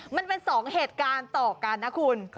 มันเป็น๒เหตุการณ์ต่อกันนะคุณ